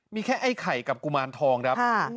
มีแค่ไอ้ไข่กับกุมารทองครับ